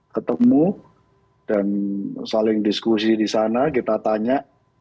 ketemu dan saling diskusi di sana kita tanya